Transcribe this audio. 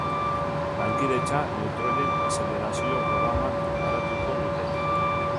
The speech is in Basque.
Lankidetza neutroien azelerazio programan garatuko dute.